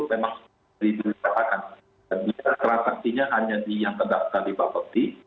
melakukan beli dan jual maka sebenarnya itu harus berhati hati